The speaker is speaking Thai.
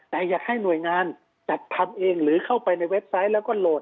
แต่อยากให้หน่วยงานจัดทำเองหรือเข้าไปในเว็บไซต์แล้วก็โหลด